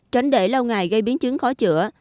tránh để lâu ngày gây biến chứng khó chữa